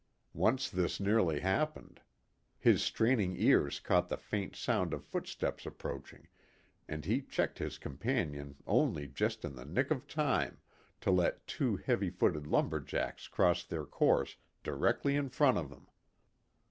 Once this nearly happened. His straining ears caught the faint sound of footsteps approaching, and he checked his companion only just in the nick of time to let two heavy footed lumber jacks cross their course directly in front of them.